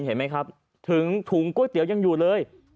เห็นไหมครับถึงถุงก๋วยเตี๋ยวยังอยู่เลย